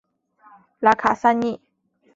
拉卡萨尼。